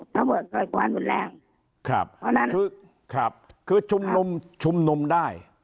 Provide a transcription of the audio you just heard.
ถ้าเมื่อเกิดความหนุนแรงครับเพราะฉะนั้นครับคือชุมนมชุมนมได้